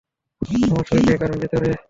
আমার শরীর দিয়ে কারেন্ট যেত যে?